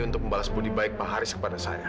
untuk membalas budi baik pak haris kepada saya